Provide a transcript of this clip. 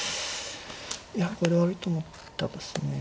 いやこれで悪いと思ったですね